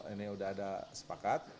ini sudah ada sepakat